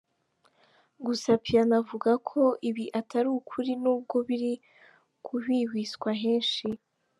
Gusa Piano avuga ko ibi atari ukuri n’ubwo biri guhwihwiswa henshi.